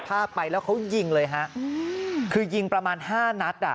ภาพไปแล้วเขายิงเลยฮะคือยิงประมาณห้านัดอ่ะ